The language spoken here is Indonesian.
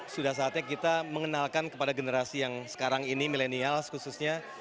sudah saatnya kita mengenalkan kepada generasi yang sekarang ini milenials khususnya